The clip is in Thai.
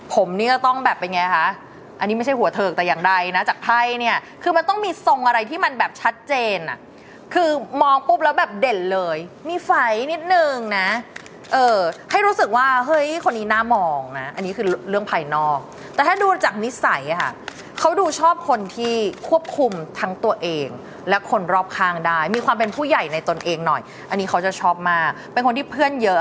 ผมนี่ก็ต้องแบบเป็นไงคะอันนี้ไม่ใช่หัวเถิกแต่อย่างใดนะจากไพ่เนี่ยคือมันต้องมีทรงอะไรที่มันแบบชัดเจนอ่ะคือมองปุ๊บแล้วแบบเด่นเลยมีไฟนิดนึงนะเออให้รู้สึกว่าเฮ้ยคนนี้น่ามองนะอันนี้คือเรื่องภายนอกแต่ถ้าดูจากนิสัยค่ะเขาดูชอบคนที่ควบคุมทั้งตัวเองและคนรอบข้างได้มีความเป็นผู้ใหญ่ในตนเองหน่อยอันนี้เขาจะชอบมากเป็นคนที่เพื่อนเยอะ